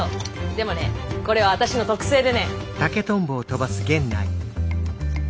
でもねこれは私の特製でね。